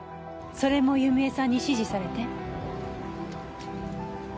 それも弓枝さんに指示されて？